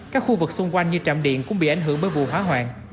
các khu vực xung quanh như trạm điện cũng bị ảnh hưởng bởi vụ hỏa hoạn